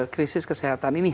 krisis kesehatan ini